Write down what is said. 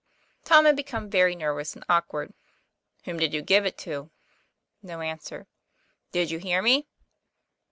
Tom had become very nervous and awkward. " Whom did you give it to? ' No answer. ' Did you hear me